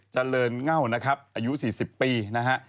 เจริญเง่านะครับอายุ๔๐ปีนะฮะ